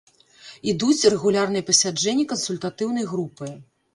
Ідуць рэгулярныя пасяджэнні кансультатыўнай групы.